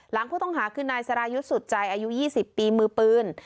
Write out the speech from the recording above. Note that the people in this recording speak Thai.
หลังผู้ต้องหาคือนายสรายุทธ์สุดใจอายุ๒๐ปีมือปืน